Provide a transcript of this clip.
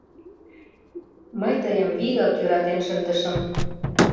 Мый тыйым вигак йӧратен шындышым.